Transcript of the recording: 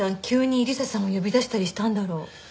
急に理彩さんを呼び出したりしたんだろう？